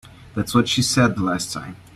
That's what she said the last time.